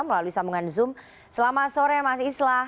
melalui sambungan zoom selamat sore mas islah